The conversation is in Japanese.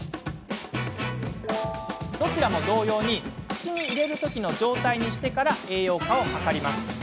どちらも同様に口に入れる時の状態にしてから栄養価を測ります。